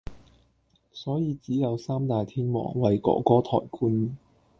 所以只有“三大天王”為“哥哥”抬棺。